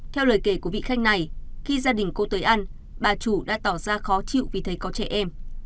theo lời kể của vị khanh này khi gia đình cô tới ăn bà chủ đã tỏ ra khó chịu vì thấy có trẻ em